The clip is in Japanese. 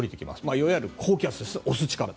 いわゆる高気圧ですね、押す力。